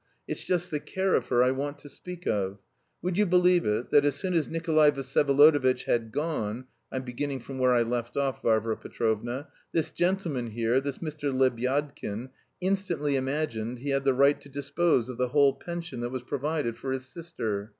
It's just the care of her I want to speak of. Would you believe it, that as soon as Nikolay Vsyevolodovitch had gone (I'm beginning from where I left off, Varvara Petrovna), this gentleman here, this Mr. Lebyadkin, instantly imagined he had the right to dispose of the whole pension that was provided for his sister.